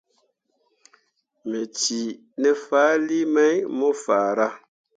Me cii ne fahlii mai mo farah.